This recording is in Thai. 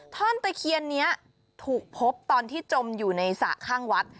ท่อนตะเคียนนี้ถูกพบตอนที่จมอยู่ในสระข้างวัด